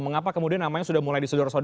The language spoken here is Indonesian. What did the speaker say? mengapa kemudian namanya sudah mulai disodorkan